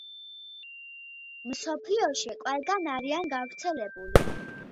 მსოფლიოში ყველგან არიან გავრცელებული.